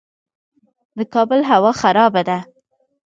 د کابل هوا خرابه ده